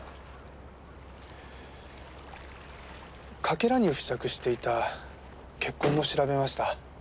かけらに付着していた血痕も調べました。